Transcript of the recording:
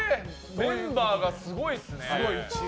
メンバーがすごいですね。